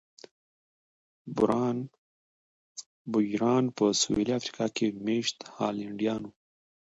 بویران په سوېلي افریقا کې مېشت هالنډیان وو.